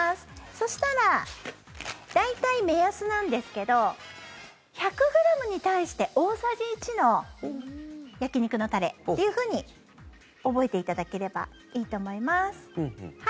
そしたら、大体目安なんですけど１００ｇに対して大さじ１の焼き肉のタレっていうふうに覚えていただければいいと思います。